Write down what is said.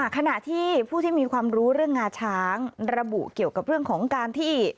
ขณะที่ผู้ที่มีความรู้เรื่องงาช้างระบุเกี่ยวกับเรื่องของการที่